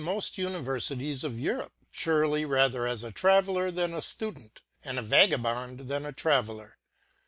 moft Universities of Europe 5 furely rather as a traveller then a ! ftudent, and a vagrant then a traveller.